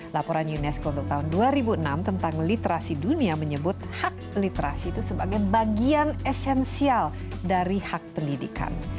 laporan unesco untuk tahun dua ribu enam tentang literasi dunia menyebut hak literasi itu sebagai bagian esensial dari hak pendidikan